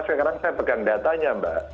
sekarang saya pegang datanya mbak